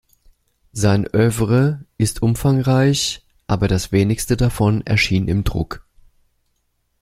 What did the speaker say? Sein Œuvre ist umfangreich, aber das Wenigste davon erschien im Druck.